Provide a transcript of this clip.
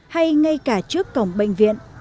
hay ngay cả trước cổng bệnh viện